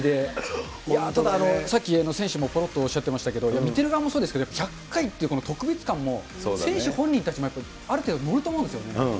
ただ、さっき、選手もぽろっとおっしゃっていましたけれども、見てる側もそうですけど、１００回って特別感も、選手本人たちもやっぱりある程度、乗ると思うんですよね。